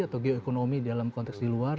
atau geoekonomi dalam konteks di luar